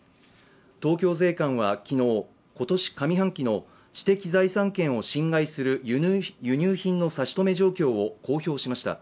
東京税関は昨日、今年上半期の知的財産権を侵害する輸入品の差し止め状況を公表しました。